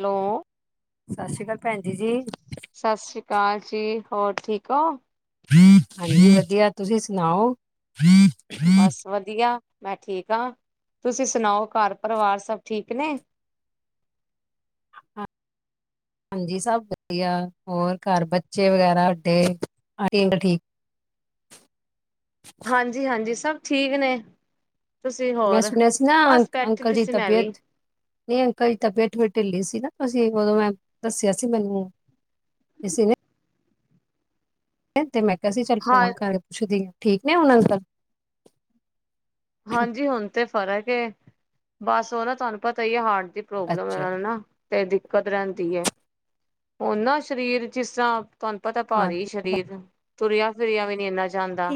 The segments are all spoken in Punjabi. ਹੈਲੋ ਸਤਿ ਸ਼੍ਰੀ ਅਕਾਲ, ਭੈਣ ਜੀ ਜੀ ਸਤਿ ਸ੍ਰੀ ਅਕਾਲ ਜੀ, ਹੋਰ ਠੀਕ ਹੋ ਹਾਂਜੀ ਵਧੀਆ, ਤੁਸੀਂ ਸੁਣਾਓ ਬਸ ਵਧੀਆ, ਮੈਂ ਠੀਕ ਹਾਂ, ਤੁਸੀਂ ਸੁਣਾਓ ਘਰ ਪਰਿਵਾਰ ਸਭ ਠੀਕ ਨੇ, ਹਾਂ ਹਾਂਜੀ ਸਭ ਵਧੀਆ ਹੋਰ ਘਰ ਬੱਚੇ ਵਗੈਰਾ ਵੱਡੇ ਤਿੰਨ ਠੀਕ ਹਾਂਜੀ ਹਾਂਜੀ, ਸਭ ਠੀਕ ਨੇ ਤੁਸੀਂ ਮੈਂ ਹੋਰ ਸੁਣਿਆ ਸੀ ਨਾ ਬਸ ਬੈਠੀ ਅੰਕਲ ਦੀ ਜੀ ਸੀ ਮੈਂ ਵੀ ਤਬੀਅਤ ਤੇ ਅੰਕਲ ਤਬੀਅਤਾ ਵੀ ਢਿੱਲੀ ਸੀ ਨਾ, ਤੁਸੀਂ ਉਦੋਂ ਮੈਂ ਦੱਸਿਆ ਸੀ ਮੈਨੂੰ [unintelligible] ਤੇ ਮੈਂ ਕਿਹਾ ਸੀ, ਚੱਲ ਹਾਂ ਫੋਨ ਕਰਕੇ ਪੁੱਛਦੀ ਹਾਂ ਠੀਕ ਨੇ ਹੁਨ ਅੰਕਲ ਹਾਂਜੀ, ਹੁਣ ਤੇ ਫਰਕ ਬਸ ਉਹ ਨਾ ਤੁਹਾਨੂੰ ਪਤਾ ਹੀ ਹੈ‌ ਹਾਰਟ ਦੀ ਪ੍ਰੋਬਲਮ ਅੱਛਾ ਨੂੰ ਨਾ ਤੇ ਦਿੱਕਤ ਰਹਿੰਦੀ ਹੈ। ਹੁਣ ਨਾ ਸਰੀਰ ਜਿਸ ਤਰ੍ਹਾਂ ਤੁਹਾਨੂੰ ਪਤਾ ਭਾਰੀ ਹਾਂਜੀ ਸ਼ਰੀਰ ਤੁਰਿਆ ਫਿਰਿਆ ਵੀ ਨਹੀਂ ਇੰਨਾ ਜਾਂਦਾ।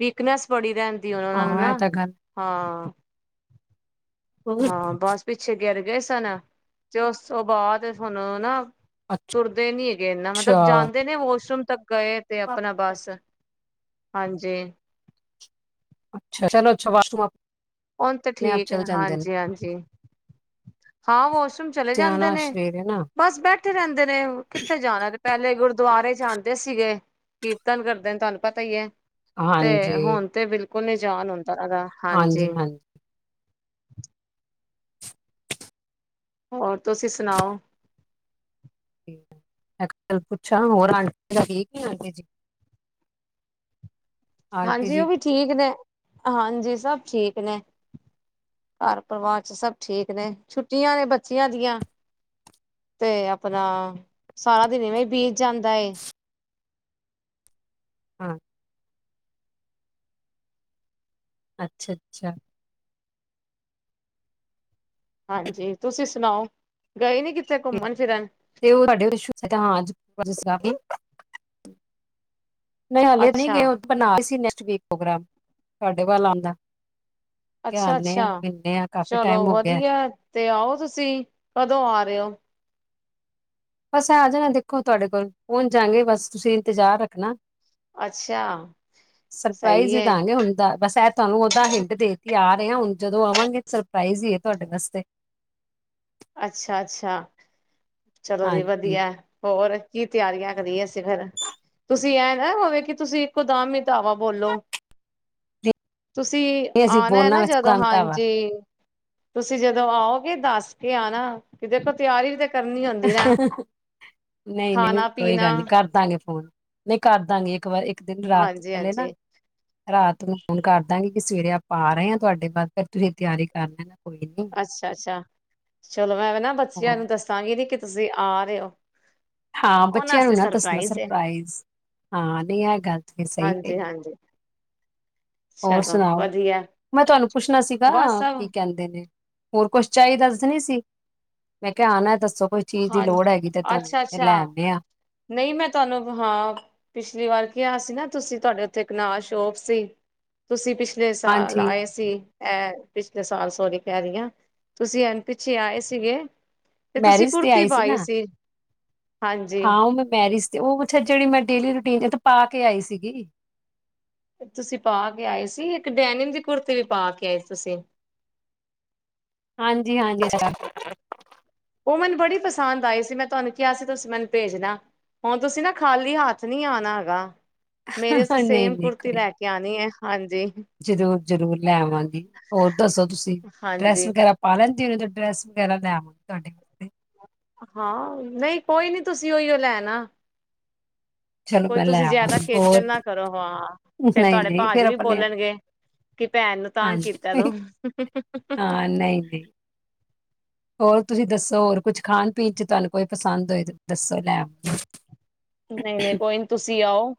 ਵੀਕਨੈਸ ਬੜੀ ਰਹਿੰਦੀ ਓਹਨਾਂ ਨੂੰ ਹਾਂ ਨਾ ਇਹ ਤਾਂ ਗੱਲ ਹਾਂ ਹਾਂ, ਬਸ ਪਿੱਛੇ ਗਿਰ ਗਏ ਸਨ ਤੇ ਉਸ ਤੋਂ ਬਾਅਦ ਹੁਣ ਨਾ ਤੁਰਦੇ ਨੀ ਹੈਗੇ ਇਨਾ ਮਤਲਬ ਅੱਛਾ ਜਾਂਦੇ ਨੇ ਵਾਸ਼ਰੂਮ ਤੱਕ ਗਏ‌ ਤੇ ਆਪਣਾ ਬਸ ਹਾਂਜੀ ਅੱਛਾ ਚਲੋ ਵਾਸ਼ਰੂਮ ਉਹ ਤੇ ਆਪ ਠੀਕ ਹੈ ਚਲ ਜਾਂਦੇ ਨੇ ਹਾਂਜੀ ਹਾਂਜੀ ਹਾਂ ਵਾਸ਼ਰੂਮ ਚਲੇ ਜਾਂਦੇ ਸਿਆਣਾ ਨੇ, ਸਰੀਰ ਹੈ ਨਾ ਬਸ ਬੈਠੇ ਰਹਿੰਦੇ ਨੇ, ਕਿੱਥੇ ਜਾਣਾ ਪਹਿਲੇ ਗੁਰਦੁਆਰੇ ਜਾਂਦੇ ਸੀਗੇ ਕੀਰਤਨ ਕਰਦੇ ਨੇ ਤੁਹਾਨੂੰ ਪਤਾ ਹੀ ਹੈ। ਤੇ ਹਾਂਜੀ ਹੁਣ ਤੇ ਬਿਲਕੁਲ ਨਿਜਾਨ ਹੁੰਦਾ ਹੈਗਾ ਹਾਂਜੀ ਹਾਂਜੀ ਹੋਰ ਤੁਸੀਂ ਸੁਣਾਓ ਮੈਂ ਗੱਲ ਪੁੱਛਾਂ, ਹੋਰ ਆਂਟੀ ਠੀਕ ਹੈ ਵਿੱਚ ਆਂਟੀ ਹਾਂਜੀ, ਜੀ ਉਹ ਵੀ ਠੀਕ ਨੇ ਹਾਂਜੀ ਸਭ ਠੀਕ ਨੇ ਘਰ ਪਰਿਵਾਰ ਵਿਚ ਸਭ ਠੀਕ ਨੇ ਛੁੱਟੀਆਂ ਨੇ ਬੱਚਿਆਂ ਦੀਆਂ ਤੇ ਆਪਣਾ ਸਾਰਾ ਦਿਨ ਇਵੇਂ ਹੀ ਬੀਤ ਜਾਂਦਾ ਏ ਹਾਂ ਅੱਛਾ, ਅੱਛਾ ਹਾਂਜੀ, ਤੁਸੀਂ ਸੁਣਾਓ ਗਏ ਨਹੀਂ ਕਿੱਥੇ ਠੀਕ। ਘੁੰਮਣ ਫਿਰਨ ਤੇ ਉਹ ਸਾਡੇ ਹਾਂ, ਨਹੀਂ ਹਾਲੇ ਨਹੀਂ ਅੱਛਾ ਗਏ, ਬਸੀ ਨੈਕਟਕ ਪ੍ਰੋਗਰਾਮ ਤੁਡੇ ਵੱਲ ਆਉਂਦਾ। ਅੱਛਾ ਅੱਛਾ, ਚਲੋ ਹੋ ਗਿਆ ਵਧੀਆ ਤੇ ਆਓ ਤੁਸੀਂ ਕਦੋਂ ਆ ਰਹੇ ਹੋ ਬਸ ਆ ਜਾਣਾ ਦੇਖੋ ਤੁਹਾਡੇ ਕੋਲ ਪਹੁੰਚ ਜਾਂਗੇ ਬਸ ਤੁਸੀਂ ਇੰਤਜ਼ਾਰ ਰੱਖਣਾ ਅੱਛਾ ਸਹੀ ਸਰਪ੍ਰਾਈਜ਼ ਈ ਹੈ ਦਾਂ ਗੇ ਹੁਨ ਤਾ, ਬਸ ਐ ਤੁ ਆਨੂੰ ਔਦਾਂ ਹਿੰਟ ਦੇਤੀ ਆ ਰੇ ਆਂ, ਹੁਣ ਜਦੋਂ ਆਵਾਂਗੇ ਸਰਪ੍ਰਾਈਜ਼ ਈ ਐ, ਤੁ ਆਡੇ ਵਾਸਤੇ। ਅੱਛਾ- ਅੱਛਾ, ਚਲੋ ਜੀ ਵਧੀ ਹਾਂਜੀ ਐ। ਹੋਰ ਕੀ ਤਿਆਰੀਆਂ ਕਰੀਏ, ਅਸੀਂ ਫਿਰ, ਤੁਸੀਂ ਐਂ ਨਾ ਹੋਵੇ, ਕਿ ਤੁਸੀਂ ਇੱਕੋ ਦਮ ਈ ਧਾਵਾ ਬੋਲੋ। ਜੀ [unintelligible] ਤੁਸੀਂ ਆਨਾ ਐ ਨਾ ਜਦੋਂ, ਕਵਿਤਾ ਵਾ ਹਾਂਜੀ, ਤੁਸੀਂ ਜਦੋਂ ਆਔਗੇ ਦੱਸ ਕੇ ਆਨਾ, ਕਿਥੇ ਤਿਆਰੀ ਤੇ ਕਰਨੀ ਹੁੰਦੀ ਨਾ [unintelligible] ਨਈ -ਨਈ ਖਾਣਾ ਕੋਈ ਪੀਣਾ ਗੱਲ ਨੀ ਕਰ ਦਾਂਗੇ, ਫੋਨ। ਕਰ ਦਾਂਗੇ, ਇੱਕ ਵਾਰ ਇੱਕ ਦਿਨ ਰਾਤ ਹਾਂਜੀ ਪੈਲੇ ਨਾ, ਹਾਂਜੀ ਰਾਤ ਨੂੰ ਫੋਨ ਕਰਦਾਂਗੀ, ਕਿ ਸਵੇਰੇ ਆਪਾਂ ਆ ਰੇ ਆ ਤੁਆਡੇ ਘਰ ਤੇ, ਤੁਸੀਂ ਤਿਆਰੀ ਕਰ ਲੇਨਾ। ਅੱਛਾ -ਅੱਛਾ, ਚਲੋ ਮੈਂ ਨਾ ਬੱਚਿਆਂ ਹੋਰ ਨੂੰ ਦੱਸਾਂਗੀ ਕਿ ਤੁਸੀਂ ਆ ਰੇ ਔ। ਹਾਂ, ਬੱਚਿਆਂ ਨੂੰ ਨਾ ਦੱਸਣਾ ਸਰਪ੍ਰਾਈਜ਼। ਹਾਂ, ਨੀ ਐ ਗੱਲ ਤੇ ਸ ਈ ਕ ਹਾਂਜੀ ਈ। ਹਾਂਜੀ ਹੋਰ ਚਲੋ ਸੁਣਾਓ। ਵਧੀਆ ਮੈਂ ਤੁਹਾਨੂੰ ਪੁੱਛਣਾ ਸੀਗਾ ਬਸ ਸਭ ਕੀ ਕਹਿੰਦੇ ਨੇ, ਹੋਰ ਕੁਛ ਚਾ ਈ ਦਾ ਸਣੀ ਸੀਮੈਂ ਕੈਯਾ ਆਨਾ ਦੱਸੋ ਕੋਈ ਚੀਜ਼ ਦੀ ਲੋੜ ਹਾਂਜੀ ਹੈਗੀ ਤੇ ਤੁਹਾਨੂੰ, ਅੱਛਾ ਤੇ ਅੱਛਾ, ਲੈ ਆਨੇ ਆ ਨ ਈ ਮੈਂ ਤੁਆਨੂੰ ਹਾਂ। ਪਿਛਲੀ ਵਾਰ ਕਿਯਾ ਸੀ ਨਾ ਤੁਸੀਂ, ਤੁ ਆਡੇ ਔਥੇ ਇੱਕ ਨਾਲ ਸ਼ੋਪ ਸੀ। ਤੁਸੀਂ ਪਿਛਲੇ ਸਾਲ ਹਾਂਜੀ ਆਏ ਸੀ। ਇਹ ਪਿਛਲੇ ਸਾਲ ਸੋਹਰੀ, ਕੈਰੀ ਆਂ ਤੁਸੀਂ ਐਨ ਪਿੱਛੇ ਆਏ ਸੀਗੇ। ਤੁਸੀਂ ਮੈਰਿਜ ਤੇ ਕੁੜਤੀ ਆਈ ਸੀ ਨਾ। ਪਾਈ ਹਾਂਜੀ ਹਾਂ, ਔ। ਔ ਮੈ ਮੈਰਿਜ ਤੇ, ਔ ਪੁੱਛਾ ਜੇੜੀ ਮੈਂ ਡੇਲੀ ਰੂਟੀਨ ਏਥ ਪਾ ਕੇ ਆਈ ਸੀਗੀ। ਤੁਸੀਂ ਪਾ ਕੇ ਆਏ ਸੀ। ਇੱਕ ਡੈਨਿਮ ਦੀ ਕੁੜਤੀ ਵੀ ਪਾ ਕੇ ਆਏ ਸੀ ਤੁਸੀਂ, ਹਾਂਜੀ -ਹਾਂਜੀ [unintelligible] ਔ ਮੈਨੂੰ ਬੜੀ ਪਸੰਦ ਆਈ ਸੀ। ਮੈਂ ਤੁਆਨੂੰ ਕਿਯਾ ਸੀ, ਤੁਸੀਂ ਮੈਨੂੰ ਭੇਜਣਾ। ਹੁਣ ਤੁਸੀਂ ਨਾ ਖਾਲੀ ਹੱਥ ਨੀ ਆਨਾ ਹੈਗਾ। ਮੇਰੇ ਸਤੇ ਨਹੀਂ ਸੇਮ ਕੁੁਰਤੀ ਲੈ ਕੇ ਲੇ ਆਨੀ ਹੈ। ਹਾਂਜੀ, ਜਰੂਰ ਜਰੂਰ ਲੈ ਆਵਾਂਗੀ, ਹੋਰ ਦੱਸੋ ਤੁਸੀਂ ਡਰੈਸ ਹਾਂਜੀ ਵਗੈ ਪਾ ਲੈਂਦੇ ਜਿਵੇਂ ਡਰੈੱਸ ਵਗੈਰਾ ਲੈ ਆਵਾ ਤੁ ਆਡੇ। ਹਾਂ, ਔਈਯੋ ਨਹੀਂ ਕੋਈ ਨੀ ਤੁਸੀਂ ਔਈਯੋ ਲੈ ਅਣਾ। ਚਲੋ ਕੋਈ ਮੈਂ ਲੈ ਤੁਸੀਂ ਜਿਆਦਾ ਆਵਾਂਗੀ ਖੇਚਣ ਹੋਰ ਨਾ ਕਰੋ। ਹਾਂ, ਫੇਰ ਤੁ ਨਹੀਂ ਆਡੇ ਨਹੀਂ ਫਿਰ ਭਾਜੀ ਵੀ ਆਪਣੇ ਬੋਲਣਗੇ। ਕਿ ਭੈਣ ਨੂੰ ਤਾਂਗ ਕੀਤਾ ਤੂੰ, ਹਾਂਜੀ ਅ ਹਹ ਹਹ ਹਂ। ਹਾਂ ਨਈ- ਨਈ। ਹੋਰ ਤੁਸੀਂ ਦੱਸੋ, ਹੋਰ ਕੁਝ ਖਾਣ ਪੀਣ ਚ ਤਾਨੂੰ ਕੋਈ ਪਸੰਦ ਹੋਏ ਦੱਸੋ ਲੈ ਆ ਦੀਂ। ਨਈ-ਨਈ ਕੋਈ ਨ ਤੁਸੀਂ ਆਓ,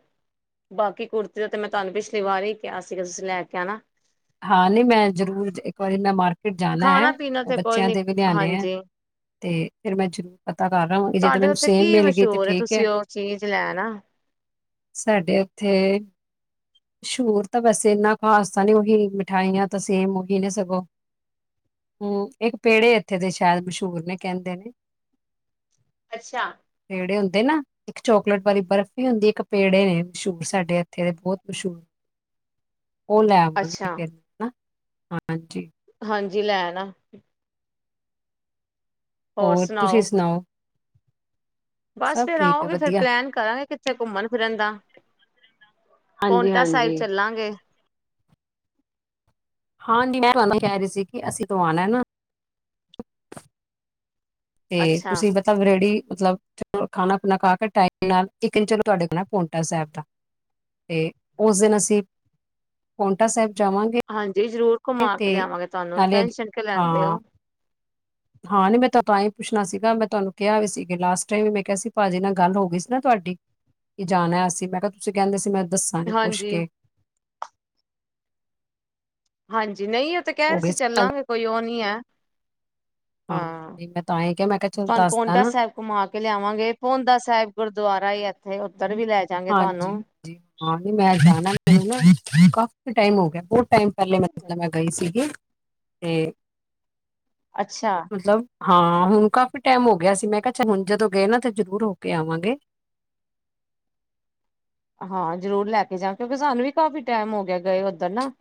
ਬਾਕੀ ਕੁੜਤੀ ਤੇ ਮੈਂ ਤੁਹਾਨੂੰ ਪਿਛਲੀ ਵਾਰ ਈ ਕਿਯਾ ਸੀਗਾ ਤੁਸੀਂ ਲੈ ਕੇ ਆਣਾ। ਹਾਂ ਨੀ ਮੈਂ ਜ਼ਰੂਰ, ਇੱਕ ਵਾਰੀ ਮੈਂ ਮਾਰਕੀਟ ਜਾਣਾ ਹੈ ਖਾਣਾ ਪੀਣਾ ਤੇ ਕੋਈ ਬੱਚਿਆਂ ਨੀ ਦੇ ਵੀ ਲਿਆਣੇ ਆ। ਹਾਂਜੀ ਤੇ ਫਿਰ ਮੈਂ ਜਰੂਰ ਪਤਾ ਕਰ ਆਵਾਂਗੀ, ਜੇਤੇ ਤੁਹਾਡੇ ਮੈਨੂੰ ਉੱਥੇ ਸੇਮ ਕੀ ਮਿਲ ਗਈ ਤੇ ਮਸ਼ਹੂਰ ਠੀਕ ਹੈ। ਤੁਸੀਂ ਉਹ ਚੀਜ਼ ਲੈਣ ਆ ਸਾਡੇ ਏਥੇ ਸ਼ੂਤ ਤਾ ਵੈਸੇ ਇੰਨਾ ਖ਼ਾਸ ਤਾ ਨੀ ਹੋਗੀਵ ਮਿਠਾਈਆਂ ਤਾਂ ਸੇਮ ਔਹੀ ਨ ਸਗੋਂ। ਹਮ, ਇੱਕ ਪੇੜੇ ਇੱਥੇ ਦੇ ਸ਼ੈਦ ਮਸ਼ੂਰ ਨੇ ਕੈਂਦੇ ਨੇ, ਅੱਛਾ। ਪੇੜੇ ਹੁੰਦੇ ਨਾ, ਇੱਕ ਚੋਕਲੇਟ ਵਾਲੀ ਬਰਫ਼ੀ ਹੋਂਦੀ। ਇੱਕ ਪੇੜੇ ਨੇ ਮਸ਼ਹੂਰ ਸਾਡੇ ਇੱਥੇ ਬੋਤ ਮਸ਼ੂਰ। ਔ ਲੈਵਾਂਗੇ, ਅੱਛਾ ਫਿਰ ਹਾਂਜੀ। ਹਾਂਜੀ ਲੈ ਨਾ ਹੋਰ ਤੁਸੀਂ ਸੁਣਾਓ ਬਸ ਸਭ ਫੇਰ ਠੀਕ ਹੈ ਆਓਗੇ ਫੇਰ ਵਧੀਆ ਪਲੈਨ ਕਰਾਂਗੇ ਕਿੱਥੇ ਘੁੰਮਣ ਫਿਰਨ ਦਾ ਹਾਂਜੀ ਪੋਂਟਾ ਸਾਹਿਬ ਹਾਂਜੀ ਚੱਲਾਂਗੇ ਹਾਂਜੀ ਮੈਂ ਤੁਹਾਨੂੰ ਕਹਿ ਰਹੀ ਸੀ ਕਿ ਅਸੀਂ ਤੋਂ ਆਣੈ ਨਾ ਤੇ ਅੱਛਾ ਤੁਸੀਂ ਸਬ ਰੇਡੀ ਮਤਲਬ ਖਾਣਾ ਪੀਣਾ ਖਾ ਕੇ ਟਾਇਮ ਨਾਲ ਇੱਕ ਚਲੋ ਤੁਹਾਡੇ ਨਾ ਪੋਟਾ ਸਾਹਿਬ ਦਾ ਤੇ ਉਸ ਦਿਨ ਅਸੀਂ ਪੋਟਾ ਸਾਹਿਬ ਜਾਵਾਂਗੇ ਹਾਂਜੀ ਜ਼ਰੂਰ ਘੁਮਾ ਕੇ ਤੇ ਲਿਆਵਾਂਗੇ ਤੁਹਾਨੂੰ ਨਾਲੇ ਅੱਗੇ ਟੈਨਸ਼ਨ ਕਿਉਂ ਲੈਂਦੇ ਹੋ ਹਾਂ ਹਾਂ ਨੀ ਮੈਂ ਤੁ ਤਾਂ ਹੀ ਪੁੱਛਣਾ ਸੀਗਾ ਮੈਂ ਤੁਹਾਨੂੰ ਕਿਹਾ ਵੀ ਸੀ ਲਾਸਟ ਟਾਈਮ ਵੀ ਮੈਂ ਕਿਹਾ ਸੀ ਭਾਜੀ ਨਾਲ ਗੱਲ ਹੋ ਗਈ ਸੀ ਨਾ ਤੁਹਾਡੀ ਕਿ ਜਾਣੈ ਅਸੀ ਮੈਂ ਕਿਹਾ ਤੁਸੀਂ ਕਹਿੰਦੇ ਸੀ ਮੈਂ ਦੱਸਾਂਗੀ ਪੁੱਛ ਹਾਂਜੀ ਕੇ ਹਾਂਜੀ ਨਹੀਂ ਉਹ ਤੇ ਕਹਿ ਹੋ ਰਹੇ ਗਈ ਸੀ ਗੱਲ ਚੱਲਾਂਗੇ ਕੋਈ ਉਹ ਨਹੀਂ ਹੈ ਹਾਂ ਮੈਂ ਤਾਂਹੀ ਕਿਹਾ ਮੈਂ ਕਿਹਾ ਚਲੋ ਤੁਹਾਨੂੰ ਦੱਸਦਾ ਪੋਂਟਾ ਨਾ ਸਾਹਿਬ ਘੁਮਾ ਕੇ ਲਿਆਵਾਂਗੇ ਪੋਂਦਾ ਸਾਹਿਬ ਗੁਰਦੁਆਰਾ ਇੱਥੇ ਉੱਧਰ ਵੀ ਲੈ ਜਾਗੇ ਹਾਂਜੀ ਤੁਹਾਨੂੰ ਹ ਹਾਂਜੀ ਮੈਂ ਜਾਣਾ ਕਾਫੀ ਟਾਈਮ ਹੋ ਗਿਐ ਟਾਈਮ ਪਹਿਲੇ ਮਤਲਬ ਮੈਂ ਗਈ ਸੀਗੀ ਤੇ ਅੱਛਾ ਮਤਲਬ ਹਾਂ ਹੁਣ ਕਾਫ਼ੀ ਟਾਈਮ ਹੋ ਗਿਆ ਸੀ ਮੈਂ ਕਿਹਾ ਹੁਣ ਜਦੋਂ ਗਏ ਨਾ ਤੇ ਜ਼ਰੂਰ ਹੋ ਕੇ ਆਵਾਂਗੇ ਹਾਂ ਜ਼ਰੂਰ ਲੈ ਕੇ ਜਾ ਕਿਉਂਕਿ ਸਾਨੂੰ ਵੀ ਕਾਫੀ ਟੈਮ ਹੋ ਗਿਆ ਗਏ ਉੱਧਰ ਨਾ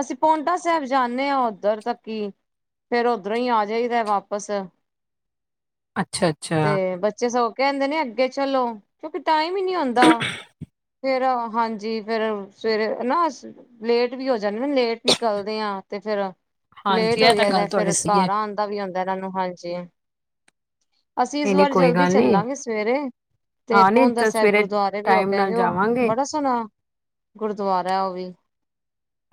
ਅਸੀਂ ਪੋਂਟਾ ਸਾਹਿਬ ਜਾਂਨੇ ਆਂ ਉੱਧਰ ਦਾ ਕੀ ਫੇਰ ਓਧਰੋਂ ਹੀ ਆ ਜਾਈਦੈ ਵਾਪਸ ਅੱਛਾ ਤੇ ਅੱਛਾ ਬੱਚੇ ਸੋ ਕਹਿੰਦੇ ਨੇ ਅੱਗੇ ਚਲੋ ਕਿਉਂਕਿ ਟਾਈਮ ਹੀ ਨੀ ਹੋਂਦਾ ਫੇਰ ਹਾਂਜੀ ਫੇਰ ਸਵੇਰੇ ਨਾ ਲੇਟ ਵੀ ਹੋ ਜਾਂਦੇ ਨਾ ਲੇਟ ਨਿਕਲਦੇ ਆ ਤੇ ਫੇਰ ਹਾਂਜੀ ਲੇਟ ਹੋ ਇਹ ਤਾਂ ਜੀ ਗੱਲ ਦੈ ਤੁਹਾਡੀ ਫੇਰ ਸਹੀ ਹੈ ਘਰ ਪ ਵੀ ਹੁੰਂਦਾ ਇਹਨਾਂ ਨੂੰ ਹਾਂਜੀ ਅਸੀਂ ਇਸ ਨਹੀਂ ਨਹੀਂ ਵਾਰ ਕੋਈ ਜਲਦੀ ਗੱਲ ਨਹੀਂ ਚੱਲਾਂਗੇ ਸਵੇਰੇ ਤੇ ਹਾਂ ਨਹੀਂ ਪੋਂਦਾ ਤਾਂ ਸਾਹਿਬ ਸਵੇਰੇ ਗੁਰਦੁਆਰੇ ਵੀ ਹੋ ਟਾਈਮ ਕੇ ਨਾਲ ਆਏਹੋ ਉਹ ਜਾਵਾਂਗੇ ਬੜਾ ਸੋਹਣਾ ਗੁਰਦੁਆਰਾ ਉਹ ਵੀ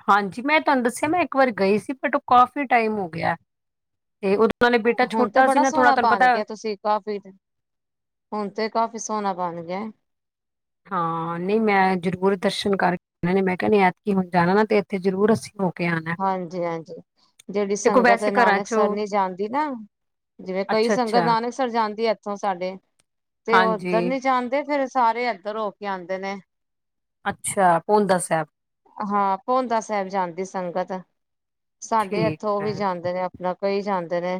ਹਾਂਜੀ ਮੈਂ ਤੁਹਾਨੂੰ ਦੱਸਿਆ ਮੈਂ ਇੱਕ ਵਾਰ ਗਈ ਸੀ ਬਟ ਉਹ ਕਾਫ਼ੀ ਟਾਈਮ ਹੋ ਗਿਆ ਤੇ ਉਦੋਂ ਨਾਲੇ ਬੇਟਾ ਹੁਣ ਤੇ ਛੋਟਾ ਸੀ ਬੜਾ ਨਾ ਥੋੜ੍ਹਾ ਸੋਹਣਾ ਤੁਹਾਨੂੰ ਬਣ ਪਤੈ ਗਿਆ ਤੁਸੀਂ ਕਾਫੀ ਹੁਣ ਤੇ ਕਾਫੀ ਸੋਹਣਾ ਬਣ ਗਿਐ ਹਾਂ ਨਹੀਂ ਮੈਂ ਜ਼ਰੂਰ ਦਰਸ਼ਨ ਕਰਕੇ ਆਨਾਂ ਮੈਂ ਕਿਹਾ ਐਤਕੀ ਹੁਣ ਜਾਣਾ ਨਾ ਤੇ ਇੱਥੇ ਜ਼ਰੂਰ ਅਸੀਂ ਹੋ ਕੇ ਆਣਾ ਹਾਂਜੀ -ਹਾਂਜੀ ਜਿਹੜੀ ਤੇ ਕੋਈ ਸੰਗਤ ਵੈਸੇ ਘਰਾਂ ਨਾਨਕ ਚੋਂ ਸਰ ਨੀ ਜਾਂਦੀ ਨਾ ਜਿਵੇਂ ਕਈ ਅੱਛਾ ਸੰਗਤ ਅੱਛਾ ਨਾਨਕਸਰ ਜਾਂਦੀ ਏ ਇੱਥੋਂ ਸਾਡੇ ਤੇ ਉਹ ਉੱਧਰ ਹਾਂਜੀ ਨੀ ਜਾਂਦੇ ਫੇਰ ਸਾਰੇ ਇੱਧਰ ਹੋ ਕੇ ਆਂਦੇ ਨੇ ਅੱਛਾ ਪੋਂਦਾ ਸਾਹਿਬ ਹਾਂ ਪੋਂਦਾ ਸਾਹਿਬ ਜਾਂਦੀ ਸੰਗਤ ਸਾਡੇ ਠੀਕ ਇੱਥੋਂ ਹੈ ਵੀ ਜਾਂਦੇ ਨੇ ਨਾ [unintelligible] ਜਾਂਦੇ ਨੇ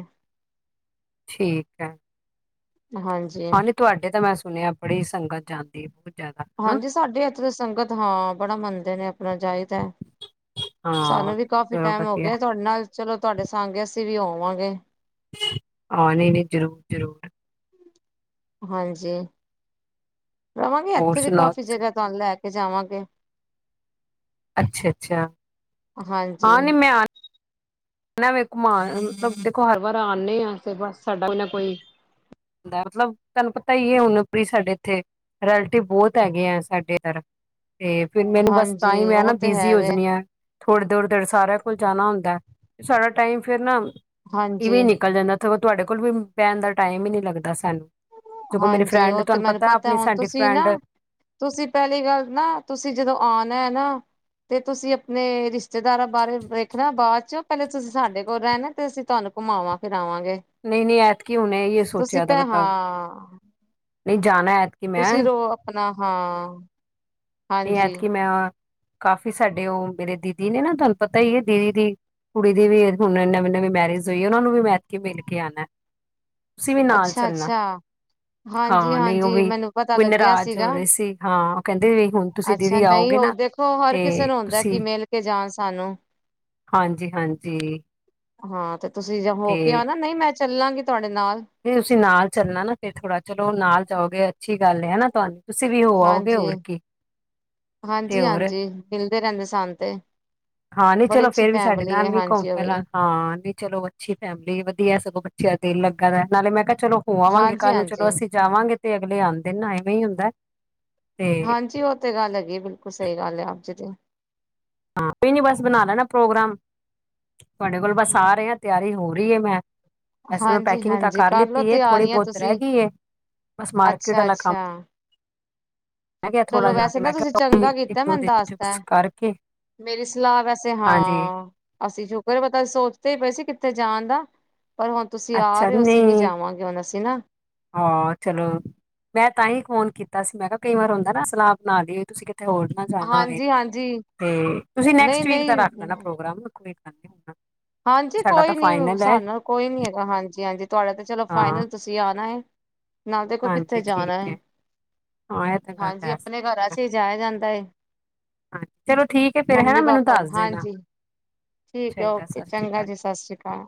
ਠੀਕ ਹੈ ਹਾਂਜੀ ਹਾਂ ਨਹੀਂ ਤੁਹਾਡੇ ਤੇ ਮੈਂ ਸੁਣਿਐ ਬੜੀ ਸੰਗਤ ਜਾਂਦੀ ਹੈ ਬਹੁਤ ਜ਼ਿਆਦਾ ਹਨਾ ਹਾਂਜੀ ਸਾਡੇ ਇੱਥੇ ਸੰਗਤ ਹਾਂ ਬੜਾ ਮੰਨਦੇ ਨੇ ਆਪਣਾ ਜਾਈਦੈ ਸਾਨੂੰ ਹਾਂ ਵੀ ਕਾਫੀ ਚਲੋ ਟੈਮ ਹੋ ਵਧੀਆ ਗਿਐ ਤੁਹਾਡੇ ਨਾਲ ਚਲੋ ਤੁਹਾਡੇ ਸੰਗ ਅਸੀਂ ਵੀ ਹੋਵਾਂਗੇ ਆਹ ਨਹੀਂ ਨਹੀਂ ਜ਼ਰੂਰ- ਜ਼ਰੂਰ ਹਾਂਜੀ ਰਵਾਂਗੇ ਹੋਰ ਇੱਥੇ ਵੀ ਸੁਣਾਓ ਕਾਫ਼ੀ ਤੁਸੀਂ ਜਗ੍ਹਾ ਤੁਹਾਨੂੰ ਲੈ ਕੇ ਜਾਵਾਂਗੇ ਅੱਛਾ-ਅੱਛਾ ਹਾਂਜੀ ਘੁੰਮਨਾ ਵੇ ਘੁਮਾਨ ਮਤਲਬ ਦੇਖੋ ਹਰ ਵਾਰ ਆਂਨੇ ਆਂ ਅਸੀਂ ਬਸ ਸਾਡਾ ਕੋਈ ਨਾ ਕੋਈ ਲੈ ਮਤਲਬ ਤੁਾਨੂੰ ਪਤਾ ਈ ਐ ਹੁਨ [unintelligible] ਸਾਡੇ ਏਥੇ ਰੈਲੇਟਿਵ ਬੋਤ ਹੈਗੇ ਆ ਸਾਡੇ ਏਦਰ ਤੇ ਫਿਰ ਮੈਨੂੰ ਬਸ ਹਾਂਜੀ ਤਾਂਈ ਮੈਂ ਨਾ ਉਹ ਤੇ ਬਿਜ਼ੀ ਹੈ ਹੋ ਵੇ ਜਾਨੀ ਆ ਥੋੜ੍ਹੀ ਦੇਰ-ਦੇਰ ਸਾਰਿਆਂ ਕੋਲ ਜਾਨਾ ਹੁੰਦਾ, ਸਾਡਾ ਟਾਈਮ ਫਿਰ ਨਾ ਹਾਂਜੀ ਇਵੀਂ ਨਿਕਲ ਜਾਂਦਾ। ਤੁਹਾਡੇ ਕੋਲ ਵੀ ਬੈਨਦਾ ਟਾਈਮ ਈ ਨਈ ਲੱਗਦਾ ਸਾਨੂੰ। ਸਗੋਂ ਮੇਰੀ ਹਾਂਜੀ ਫਰੈਂਡ ਉਹ ਤੇ ਤਾਨੂੰ ਮੈਨੂੰ ਪਤਾ ਆਪਨੀ ਹੁਣ ਸਾਡੀ ਤੁਸੀਂ ਫਰੈਂਡ ਨਾ ਤੁਸੀਂ ਪੈਲੀ ਗੱਲ ਨਾ ਤੁਸੀਂ ਜਦੋਂ ਆਨਾ ਐ ਨਾ ਤੇ ਤੁਸੀਂ ਆਪਣੇ ਰਿਸ਼ਤੇਦਾਰਾਂ ਬਾਰੇ ਵੇਖਣਾ ਬਾਦ ਚੋਂ ਪੈਲੇ ਤੁਸੀਂ ਸਾਡੇ ਕੋਲ ਰਹਿਨਾ ਤੇ ਅਸੀਂ ਤਾਨੂੰ ਘੁਮਾਵਾਂ ਫਿਰਾਵਾਂਗੇ। ਨਈ-ਨਈ ਐਤਕੀ ਹੁਨ ਏਹੀਏ ਤੁਸੀਂ ਸੋਚੇਆ ਦਾ ਭ ਮੈਂ ਹਾਂ ਨਈ ਜਾਨਾ ਐ ਤੁਸੀਂ ਰੋ ਆਪਨਾ ਹਾਂ ਨਈ ਹਾਂਜੀ ਐਤਕੀ ਮੈਂ ਕਾਫ਼ੀ ਸਾਡੇ ਓ ਮੇਰੇ ਦੀਦੀ ਨੇ ਨਾ ਤਹਾਨੂੰ ਪਤਾ ਈ ਐ ਦੀਦੀ ਦੀ ਕੁੜੀ ਦੀ ਵੀ ਹੁਨ ਨਵੀਂ-ਨਵੀਂ ਮੈਰਿਜ ਹੋਈ ਐ ਓਨਾਂ ਨੂੰ ਵੀ ਮੈਂ ਐਤਕੀ ਕੇ ਮਿਲ ਕੇ ਆਣਾ। ਤੁਸੀਂ ਵੀ ਨਾਲ ਅੱਛਾ ਚੱਲਨਾ। ਅੱਛਾ ਹਾਂਜੀ ਹਾਂ ਨਈ ਓ ਹਾਂਜੀ ਵੀ ਮੈਨੂੰ ਪਤਾ ਓਹ ਲੱਗਿਆ ਨਰਾਜ਼ ਹੋ ਸੀਗਾ ਰਹੇ ਸੀ ਹਾਂ ਓ ਕੈਂਦੇ ਵੀ ਹੁਣ ਤੁ ਅੱਛਾ ਨਈ ਓ ਦੇਖੋ ਹਰ ਕਿਸੇ ਨੂੰ ਹੁੰਦਾ ਤੁਸੀਂ ਕਿ ਮਿਲ ਕੇ ਜਾਨ ਸਾਨੂੰ। ਹਾਂਜੀ-ਹਾਂਜੀ। ਹਾਂ ਤੇ ਤੁਸੀਂ ਹੋ ਕੇ ਆਨਾ ਨਈ ਮੈਂ ਚੱਲਾਂਗੀ ਤੁਆਡੇ ਨਾਲ। ਨਈ ਤੁਸੀਂ ਨਾਲ ਚੱਲਨਾ ਨਾ ਫਿਰ ਥੋੜਾ ਚਲੋ ਨਾਲ ਜਾਓਗੇ ਅੱਛੀ ਗੱਲ ਐ ਨਾ ਤਹਾਨੂੰ। ਤੁਸੀਂ ਵੀ ਹੋ ਆਓਗੇ ਹਾਂਜੀ ਹੋਰ ਕੀ, ਤੇ ਹਾਂਜੀ ਹੋਰ ਹਾਂਜੀ ਮਿਲਦੇ ਰੈਂਦੇ ਸਾਨੂੰ ਤੇ। ਹਾਂ ਨੀ ਬੜੀ ਚਲੋ ਅੱਛੀ ਫੇਰ ਵੀ ਸਾਡੇ ਫੈਮਿਲੀ ਨਾਲ ਹੈ ਵੀ ਘੁੰਮ ਹਾਂਜੀ ਉਹ ਫਿਰ ਆ ਹਾਂ ਨੀ ਚਲੋ ਅੱਛੀ ਫੈਮਿਲੀ ਵਦੀਆ ਸਗੋ ਕਿਆ ਦਿਲ ਲੱਗਾ ਰੈਂਦਾ ਨਾਲੇ ਮੈਂ ਕਿਹਾ ਚਲੋ ਹੋ ਆਵਾਂਗੇ ਹਾਂਜੀ ਕਲ ਨੂੰ ਚਲੋ ਹਾਂਜੀ ਅਸੀ ਜਾਵਾਂਗੇ ਤੇ ਅਗਲੇ ਆਂਦੇ ਨੇ ਐਵੇਂ ਈ ਹੁੰਦਾ। ਤੇ ਹਾਂਜੀ ਓ ਤੇ ਗੱਲ ਹੈਗੀ ਬਿਲਕੁਲ ਸਈ ਗੱਲ ਐ ਆਪ ਜੀ ਦੀ। ਹਾਂ ਕੋਈ ਨੀ ਬਸ ਬਨਾ ਲੈਣਾ ਪ੍ਰੋਗਰਾਮ, ਤੁਆਡੇ ਕੋਲ ਬਸ ਆ ਰਏ ਆਂ ਤਿਆਰੀ ਹੋ ਰਈ ਐ ਮੈਂ ਵੈਸੇ ਮੈਂ ਹਾਂਜੀ ਪੈਕਿੰਗ ਤਾਂ ਹਾਂਜੀ ਕਰ ਕਰਲੋ ਲਿਤੀ ਏ ਥੋੜੀ ਤਿਆਰੀਆਂ ਬੋਤ ਰੈ ਤੁਸੀਂ ਗੀ ਏ। ਬਸ ਮਾਰਕਿਟ ਅੱਛਾ ਆਲਾ ਕੰਮ ਅੱਛਾ ਰਹਿ ਗਿਆ ਚਲੋ ਥੋੜਾ ਜਾ ਵੈਸੇ ਤੇ ਨਾ ਮੈਂ ਤੁਸੀਂ ਕਿਹਾ ਕੋਈ ਚੰਗਾ ਇੱਕ ਕੀਤਾ ਦੋ ਮੈਨੂੰ ਦਿਨ ਚ ਦੱਸਤਾ। ਬਸ ਕਰਕੇ ਮੇਰੀ ਸਲਾਅ ਵੈਸੇ ਹਾਂਜੀ ਹਾਂ ਅਸੀਂ ਸੁ਼ਕਰ ਪਤਾ ਸੋਚਦੇ ਈ ਪਏ ਸੀ ਕਿੱਥੇ ਜਾਣ ਦਾ ਪਰ ਹੁਨ ਤੁਸੀਂ ਆ ਅੱਛਾ ਰਏ ਓ ਅਸੀਂ ਨੀ ਨਹੀਂ ਜਾਵਾਂਗੇ ਹੁਨ ਅਸੀਂ ਨਾ ਹਾਂ ਚਲੋ ਮੈਂ ਤਾਂਈ ਫ਼ੋਨ ਕੀਤਾ ਸੀ ਮੈਂ ਕਿਆ ਕਈ ਵਾਰ ਹੁੰਦਾ ਨਾ ਸਲਾਅ ਬਨਾ ਲੀਏ ਤੁਸੀਂ ਕਿਤੇ ਹੋਰ ਜਾਣਾ ਹੋਏ, ਹਾਂਜੀ ਹਾਂਜੀ ਤੇ ਤੁਸੀਂ ਨਹੀਂ ਨੈਕਸਟ ਵੀਕ ਦਾ ਨਹੀਂ ਰੱਖ ਲੈਨਾ ਪ੍ਰੋਗਰਾਮ [unintelligible] ਹਾਂਜੀ ਸਾਡਾ ਤਾਂ ਕੋਈ ਨੀ ਫਾਈਨਲ ਹੈ ਸਾਨੂੰ ਕੋਈ ਨੀ ਹੈਗਾ ਹਾਂਜੀ-ਹਾਂਜੀ ਤੁਆਡਾ ਤੇ ਚਲੋ ਹਾਂ ਫਾਈਨਲ ਤੁਸੀਂ ਆਨਾ ਏ। ਨਾਲ ਦੇਖੋ ਕਿੱਥੇ ਹਾਂਜੀ ਜਾਨਾ ਠੀਕ ਹੈ ਐ, ਹਾਂ ਇਹ ਤਾਂ ਗੱਲ ਹਾਂਜੀ ਹੈ ਆਪਨੇ ਘਰਾਂ ਚ ਈ ਜਾਇਆ ਜਾਂਦਾ ਏ। ਹਾਂਜੀ ਚਲੋ ਠੀਕ ਹੈ ਫੇਰ ਹੈਨਾ ਮੰਮੀ ਮੈਨੂੰ ਪਾਪਾ ਵੀ, ਦੱਸ ਦੇਣਾ ਹਾਂਜੀ। ਠੀਕ ਐ ਚੰਗਾ ਓਕੇ ਸਤਿ ਸ਼੍ਰੀ ਚੰਗਾ ਅਕਾਲ ਜੀ ਸਸ ਰੀ ਕਾਲ।